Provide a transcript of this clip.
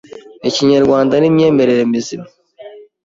ikinyarwanda n’imyemerere mizima.